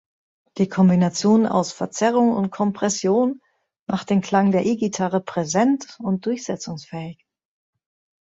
Die Kombination aus Verzerrung und Kompression macht den Klang der E-Gitarre präsent und durchsetzungsfähig.